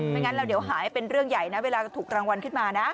งั้นเราเดี๋ยวหายเป็นเรื่องใหญ่นะเวลาถูกรางวัลขึ้นมานะ